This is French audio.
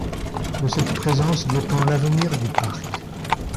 De cette présence dépend l’avenir du Parc.